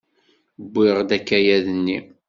Wwiɣ-d akayad-nni!